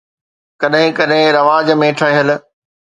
ڪڏهن ڪڏهن رواج ۾ ٺهيل